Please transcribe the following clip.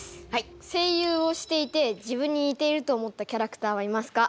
声優をしていて自分ににていると思ったキャラクターはいますか？